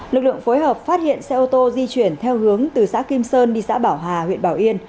lực lượng phối hợp phát hiện xe ô tô di chuyển theo hướng từ xã kim sơn đi xã bảo hà huyện bảo yên